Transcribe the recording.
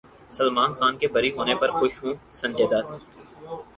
سلمان خان کے بری ہونے پر خوش ہوں سنجے دت